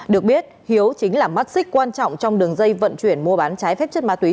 được biết hiếu chính là mắt xích quan trọng trong đường dây vận chuyển mua bán trái phép chất ma túy